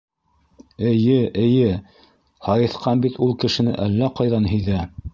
Эйе, эйе! һайыҫҡан бит ул кешене әллә ҡайҙан һиҙә.